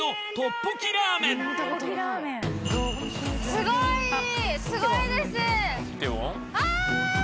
すごいすごいです。